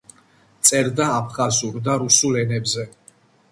წერდა აფხაზურ და რუსულ ენებზე.